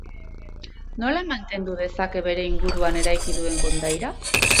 Nola mantendu dezake bere inguruan eraiki duen kondaira?